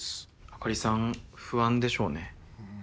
あかりさん不安でしょうね。